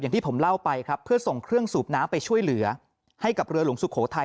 อย่างที่ผมเล่าไปครับเพื่อส่งเครื่องสูบน้ำไปช่วยเหลือให้กับเรือหลวงสุโขทัย